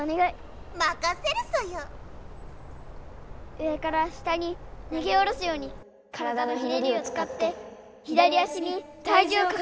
「上から下に投げ下ろすように体のひねりを使って左足に体じゅうをかける！」。